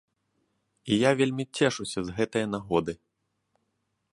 І я вельмі цешуся з гэтае нагоды.